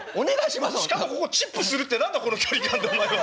しかもここチップするって何だこの距離感でお前は。